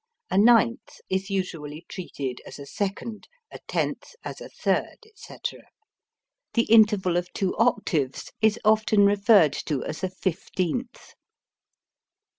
A ninth is usually treated as a second, a tenth as a third, etc. The interval of two octaves is often referred to as a fifteenth.